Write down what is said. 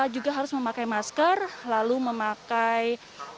juga harus memakai masker lalu memakai